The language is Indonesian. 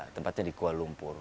tempatnya di kuala lumpur